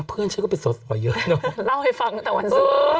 เพื่อนฉันก็เป็นสอสอเยอะเนอะเล่าให้ฟังตั้งแต่วันศุกร์